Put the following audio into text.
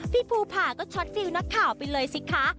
พี่ภูผ่าก็ช็อตฟิลนักข่าวไปเลยสิคะ